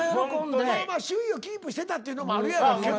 まあまあ首位をキープしてたっていうのもあるやろうけど。